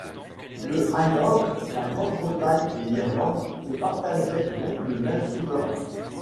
Le Hanovre, la Grande-Bretagne et l’Irlande se partageaient donc le même souverain.